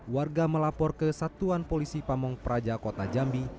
warga melapor ke satuan polisi pamung praja kota jambi